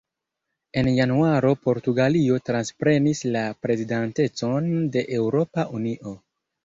En januaro Portugalio transprenis la prezidantecon de Eŭropa Unio.